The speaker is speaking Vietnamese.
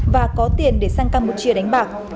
và có tiền để sang campuchia đánh bạc